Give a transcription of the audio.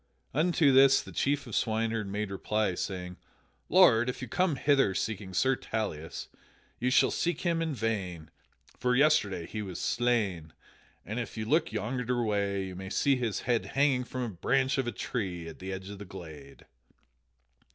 Unto this the chief swineherd made reply, saying: "Lord, if you come hither seeking Sir Tauleas, you shall seek him in vain. For yesterday he was slain, and if you look yonder way you may see his head hanging from a branch of a tree at the edge of the glade."